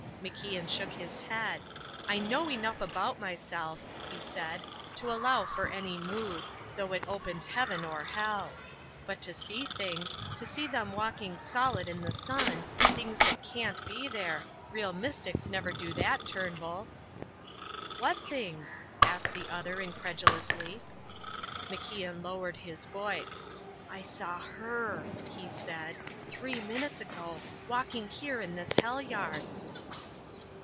MacIan shook his head. "I know enough about myself," he said, "to allow for any mood, though it opened heaven or hell. But to see things to see them walking solid in the sun things that can't be there real mystics never do that, Turnbull." "What things?" asked the other, incredulously. MacIan lowered his voice. "I saw her," he said, "three minutes ago walking here in this hell yard."